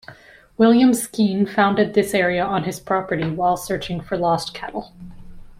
William Skene founded this area on his property while searching for lost cattle.